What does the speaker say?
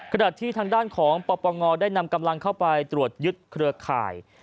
ขณะที่ทางด้านของปปงได้นำกำลังเข้าไปตรวจยึดเครือข่าย